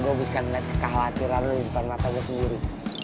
gue bisa melihat kekhawatiran di depan mata gue sendiri